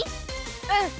うん。